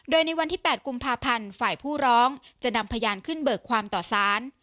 โดยในวันที่๘กุมภาพันธ์ฝ่ายผู้ร้องจะนำพยานขึ้นเบิกความต่อสาร